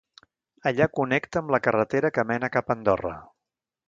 Allà connecta amb la carretera que mena cap a Andorra.